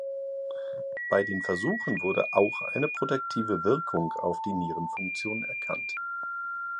Bei den Versuchen wurde auch eine protektive Wirkung auf die Nierenfunktion erkannt.